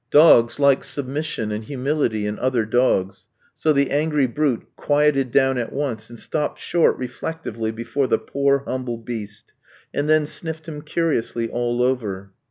Dogs like submission and humility in other dogs; so the angry brute quieted down at once, and stopped short reflectively before the poor, humble beast, and then sniffed him curiously all over.